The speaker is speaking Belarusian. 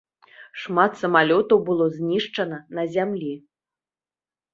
Шмат самалётаў было знішчана на зямлі.